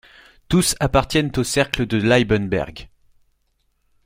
Tous appartiennent au Cercle de Liebenberg.